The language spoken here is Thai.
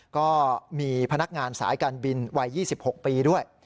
ก็มีพนักงานสายการบินวัย๒๖ปีด้วย